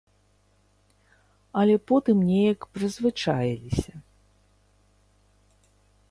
Але потым неяк прызвычаіліся.